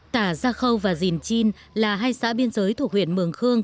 tả gia khâu và dìn chin là hai xã biên giới thuộc huyện mường khương